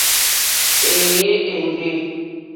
Èèyé éŋɡê.